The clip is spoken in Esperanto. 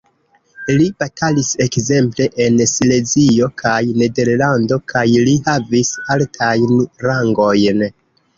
Li batalis ekzemple en Silezio kaj Nederlando, kaj li havis altajn rangojn.